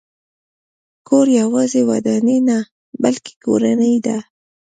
کور یوازې ودانۍ نه، بلکې کورنۍ ده.